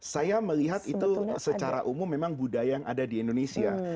saya melihat itu secara umum memang budaya yang ada di indonesia